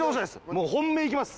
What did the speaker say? もう本命いきます。